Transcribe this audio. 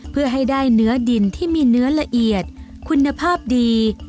เพื่อให้ได้เนื้อดินที่มีเนื้อละเอียดคุณภาพดี